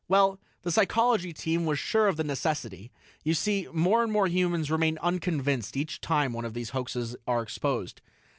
Well ... the Psychology Team was sure of the necessity. You see, more and more humans remain unconvinced each time one of these hoaxes are exposed.